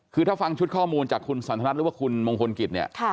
คือถ้าฟังชุดข้อมูลจากคุณสันทนัทหรือว่าคุณมงคลกิจเนี่ย